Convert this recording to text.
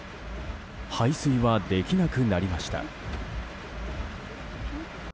排水はできなくなりました。